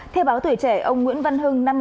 theo báo tuổi trẻ ông nguyễn văn hưng